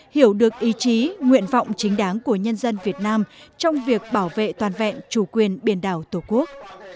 hiểu được ý chí nguyện vọng chính đáng của nhân dân việt nam trong việc bảo vệ toàn vẹn chủ quyền biển đảo tổ quốc